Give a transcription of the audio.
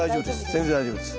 全然大丈夫です。